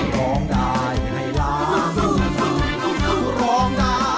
ร้องได้ให้ล้าน